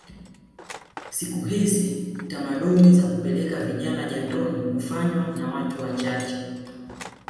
Siku hizi tamaduni za kupeleka vijana jandoni hufanywa na watu wachache